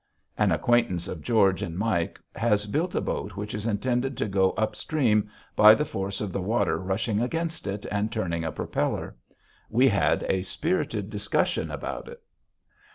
An acquaintance of George and Mike has built a boat which is intended to go up stream by the force of the water rushing against it and turning a propeller. We had a spirited discussion about it.